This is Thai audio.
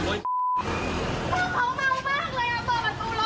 อันนี้อย่างไรพี่อย่า